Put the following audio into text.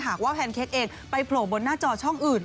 หากว่าแพนเค้กเองไปโผล่บนหน้าจอช่องอื่น